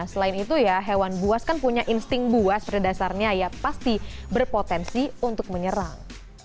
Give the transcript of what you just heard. selain itu hewan buas punya insting buas berdasarnya yang pasti berpotensi untuk menyerang